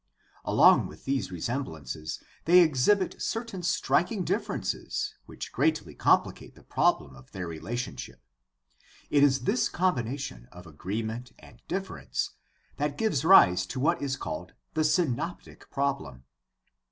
Along with these resemblances they exhibit certain striking differences which greatly complicate the problem of their relationship. It is this combination of agreement and difference that gives rise to what is called the synoptic problem.